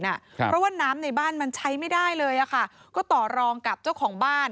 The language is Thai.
เพราะว่าน้ำในบ้านมันใช้ไม่ได้เลยอะค่ะก็ต่อรองกับเจ้าของบ้าน